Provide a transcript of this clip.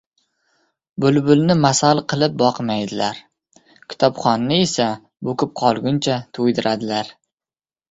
— Bulbulni masal bilan boqmaydilar, kitobxonni esa bo‘kib qolguncha to‘ydiradilar.